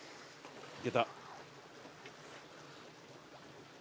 いけた。